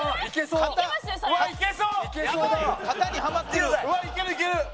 うわっいけるいける！